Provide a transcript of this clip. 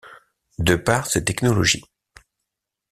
De par ses technologies.